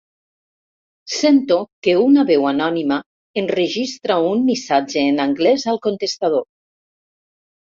Sento que una veu anònima enregistra un missatge en anglès al contestador.